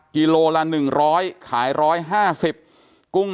เฮ้ยเฮ้ยเฮ้ยเฮ้ย